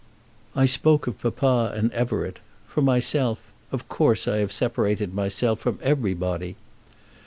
"I spoke of papa and Everett. For myself, of course I have separated myself from everybody."